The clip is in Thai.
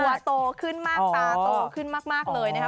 ตัวโตขึ้นมากตาโตขึ้นมากเลยนะครับ